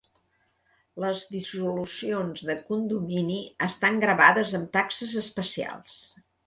Les dissolucions de condomini estan gravades amb taxes especials.